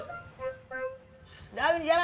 udah min jalan